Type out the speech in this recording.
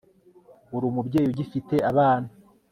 uri umubyeyi ugifite abana